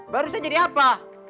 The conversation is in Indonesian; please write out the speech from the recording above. baru saya jadi apa